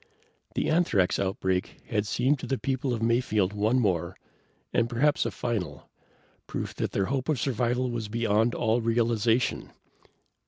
The anthrax outbreak had seemed to the people of Mayfield one more, and perhaps a final, proof that their hope of survival was beyond all realization.